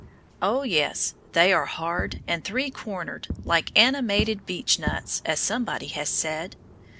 Oh, yes, they are hard and three cornered, like animated beechnuts, as somebody has said.